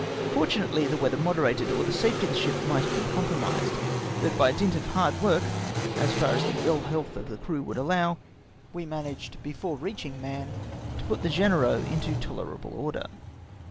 Fortunately the weather moderated, or the safety of the sliip might have been compromised ; but by dint of hard work, as far as the ill health of the crew would allow, we managed, before reaching Mahon, to put the Genereux into tolerable order.